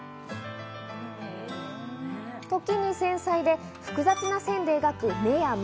時に繊細で複雑な線で描く目や眉。